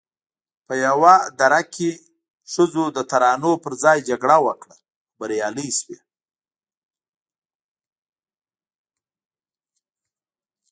په یوه دره کې ښځو د نرانو پر ځای جګړه وکړه او بریالۍ شوې